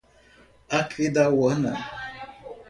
Aquidauana